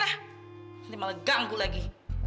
nanti malah ganggu lagi